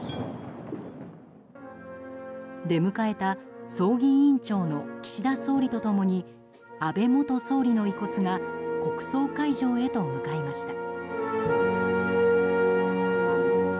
出迎えた葬儀委員長の岸田総理と共に安倍元総理の遺骨が国葬会場へと向かいました。